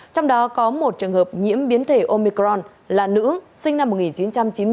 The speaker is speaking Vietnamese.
trong đó có một trường hợp nhiễm biến thể omicron là nữ sinh năm một nghìn chín trăm chín mươi